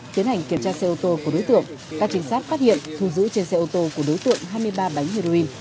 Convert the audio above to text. tiến hành kiểm tra xe ô tô của đối tượng các chính sát phát hiện thu giữ trên xe ô tô của đối tượng hai mươi ba bánh heroin